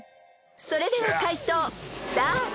［それでは解答スタート］